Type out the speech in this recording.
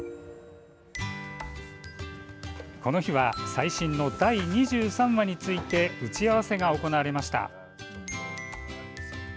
この日は最新の第２３話について打ち合わせが行われました。